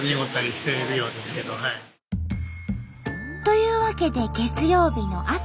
というわけで月曜日の朝。